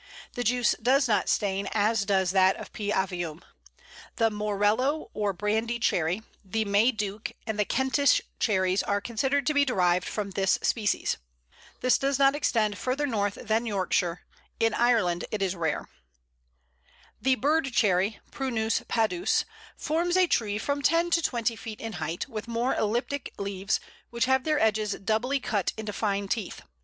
The juice does not stain as does that of P. avium. The Morello or Brandy Cherry, the May Duke, and the Kentish Cherries are considered to be derived from this species. This does not extend further north than Yorkshire; in Ireland it is rare. [Illustration: Pl. 96. Bird Cherry spring.] [Illustration: Pl. 97. Bole of Bird Cherry.] The Bird Cherry (Prunus padus) forms a tree from ten to twenty feet in height, with more elliptic leaves, which have their edges doubly cut into fine teeth.